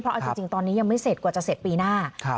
เอาจริงตอนนี้ยังไม่เสร็จกว่าจะเสร็จปีหน้า